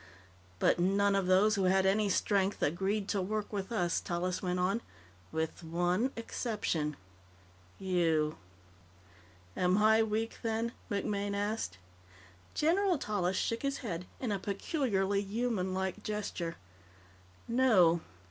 "But none of those who had any strength agreed to work with us," Tallis went on. "With one exception. You." "Am I weak, then?" MacMaine asked. General Tallis shook his head in a peculiarly humanlike gesture. "No.